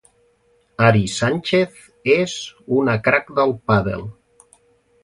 Ari Sánchez és una crack del pàdel